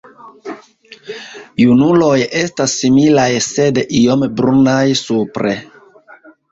Junuloj estas similaj sed iom brunaj supre.